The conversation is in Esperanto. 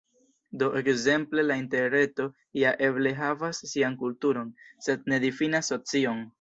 Do ekzemple la Interreto ja eble havas sian kulturon, sed ne difinas socion.